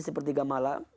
nanti sepertiga malam